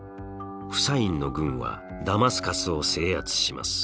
フサインの軍はダマスカスを制圧します。